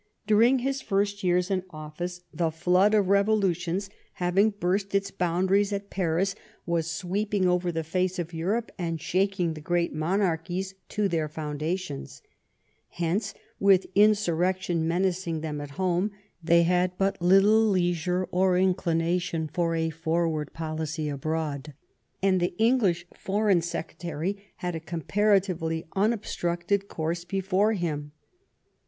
During his first years in office the flood of revolution, having burst its 3 84 LIFE OF VISCOUNT PALMEBSTON. boundaries at Paris^ was sweeping over the face of Europe and shaking the great mouarchies to their foundations. Uence, with insurrection menacing them at home, they had but little leisure or inclination for a forward policy abroad ; and the English Foreign Secre tary had a comparatively unobstructed course before him.